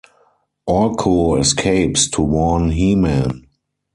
Orko escapes to warn He-Man.